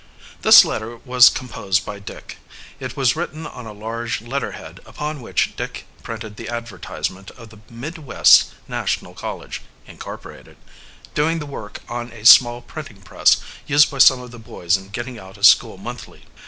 This letter was composed by Dick. It was written on a large letter head upon which Dick printed the advertisement of the "Mid West National College, Incorporated," doing the work on a small printing press used by some of the boys in getting out a school monthly.